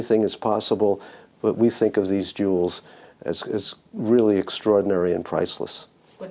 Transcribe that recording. tapi kita memikirkan jualan ini sebagai luar biasa dan harga yang tidak berharga